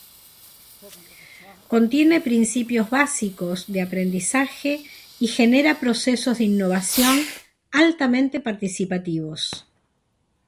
Contiene principios básicos de aprendizaje y genera procesos de innovación altamente participativos.